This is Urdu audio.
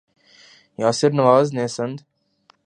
یاسر نواز نے سند